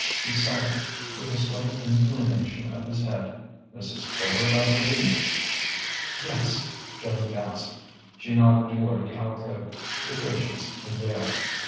He said, with a slight inclination of his head: "Mrs. Quard, I believe?" "Yes," Joan gasped. She nodded toward the alcove: "Your patient's in there."